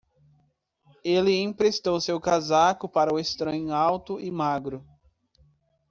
Ele emprestou seu casaco para o estranho alto e magro.